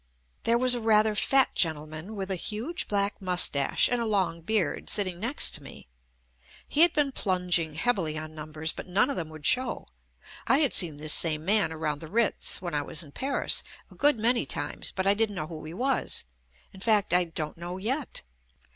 There was a rather fat gentleman with a huge black moustache and a long beard, sitting next to me. He had been plunging heavily on numbers, but none of them would show. I had seen this same man around the Kitz, when I was in Paris, a good many times, but I didn't know who he was — in fact, I don't know yet.